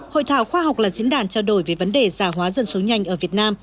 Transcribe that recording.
hội thảo khoa học là diễn đàn trao đổi về vấn đề giả hóa dân số nhanh ở việt nam